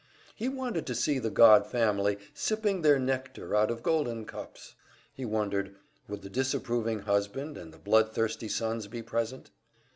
He wanted to see the Godd family sipping their nectar out of golden cups. He wondered, would the disapproving husband and the blood thirsty sons be present?